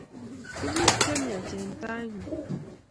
Tuguk che miach eng' ta-ing'ung';